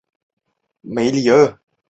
塞尔梅里厄。